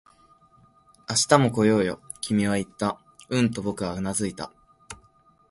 「明日も来ようよ」、君は言った。うんと僕はうなずいた